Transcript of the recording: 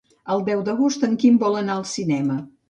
El deu d'agost en Quim vol anar al cinema.